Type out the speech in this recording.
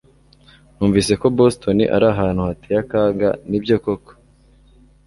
Numvise ko Boston ari ahantu hateye akaga Nibyo koko?